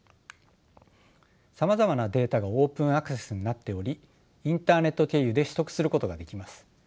さまざまなデータがオープンアクセスになっておりインターネット経由で取得することができます。